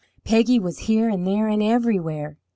Peggy was here and there and everywhere.